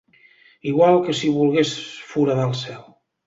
Igual que si volgués foradar el cel